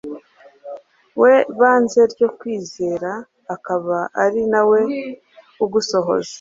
we Banze ryo kwizera akaba ari nawe ugusohoza,